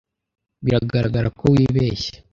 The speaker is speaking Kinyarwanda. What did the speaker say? Biragaragara ko wibeshye.